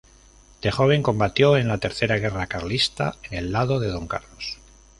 De joven combatió en la Tercera guerra carlista en el lado de Don Carlos.